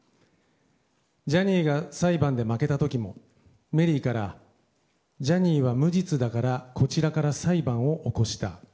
ジャニーが裁判で負けた時もメリーからジャニーは無実だからこちらから裁判を起こした。